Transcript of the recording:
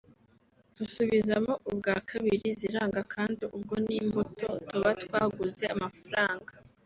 dusubizamo ubwa kabiri ziranga kandi ubwo ni imbuto tuba twaguze amafaranga